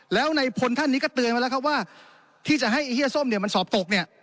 แล้วในพลท่านนี้ก็เตือนมาแล้วครับว่าที่จะให้เฮียส้มเนี่ยมันสอบตกเนี่ย